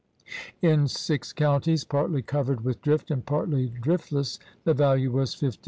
In six counties partly covered with drift and partly driftless the value was $59.